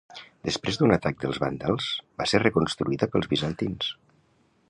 Després d'un atac dels vàndals, va ser reconstruïda pels bizantins.